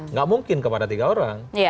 nggak mungkin kepada tiga orang